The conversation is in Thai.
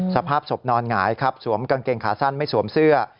สภาพศพนอนหงายครับสวมกางเกงขาสั้นไม่สวมเสื้อ